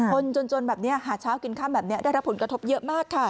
คนจนแบบนี้หาเช้ากินค่ำแบบนี้ได้รับผลกระทบเยอะมากค่ะ